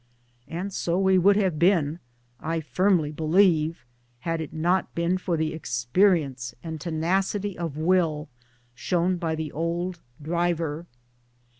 And so we would have been, I firmly be lieve, had it not been for the experience and tenacity of will shown by the old driver.